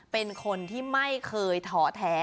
เป็นคนที่ไม่เคยท้อแท้